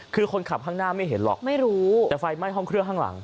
คือคนขับข้างหน้าไม่เห็นหรอกไม่รู้แต่ไฟไหม้ห้องเครื่องข้างหลัง